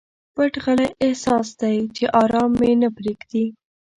پټ غلی احساس دی چې ارام مي نه پریږدي.